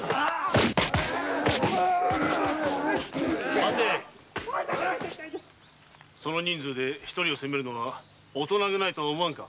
・待てその人数で一人を痛めるとは大人気ないとは思わぬか。